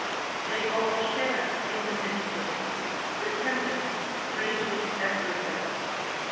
["They all share in the mischief; the tempest rages everywhere."